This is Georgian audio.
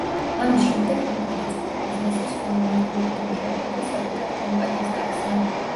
ამის შემდეგ მან გადაწყვიტა ბიზნესის სხვა მიმართულებით მუშაობა და საკუთარი კომპანიის გახსნა.